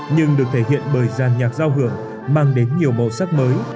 nhưng được thể hiện bởi giàn nhạc giao hưởng mang đến nhiều màu sắc mới